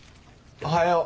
おはよう。